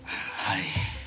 はい。